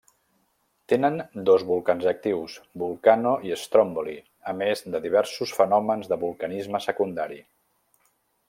Tenen dos volcans actius, Vulcano i Stromboli, a més de diversos fenòmens de vulcanisme secundari.